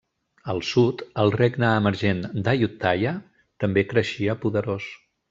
Al sud, el Regne emergent d'Ayutthaya també creixia poderós.